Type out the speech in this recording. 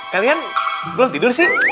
kalian belum tidur sih